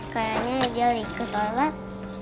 kayaknya dia dingin ke toilet